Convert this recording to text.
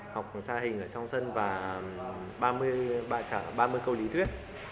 học xa hình ở trong sân và ba mươi câu lý thuyết